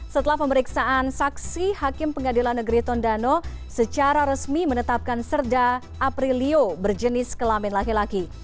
setelah pemeriksaan saksi hakim pengadilan negeri tondano secara resmi menetapkan serda aprilio berjenis kelamin laki laki